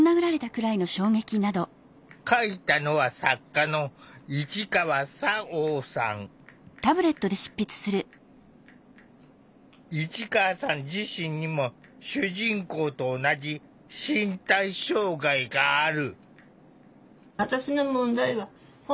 書いたのは市川さん自身にも主人公と同じ身体障害がある。